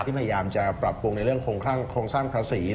พยายามจะปรับปรุงในเรื่องโครงสร้างภาษี